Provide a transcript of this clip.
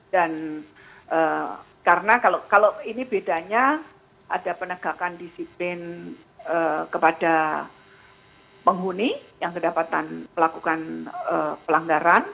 dan karena kalau ini bedanya ada penegakan disiplin kepada penghuni yang terdapat melakukan pelanggaran